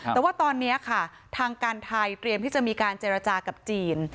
แต่ว่าตอนนี้ค่ะทางการไทยเตรียมที่จะมีการเจรจากับจีน